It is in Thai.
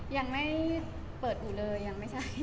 ยังไม่เปิดอยู่เลยยังไม่ใช่